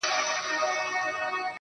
زړه تا دا كيسه شــــــــــروع كــړه,